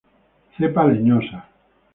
Cepa leñosa.